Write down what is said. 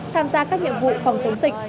tham gia các nhiệm vụ phòng chống dịch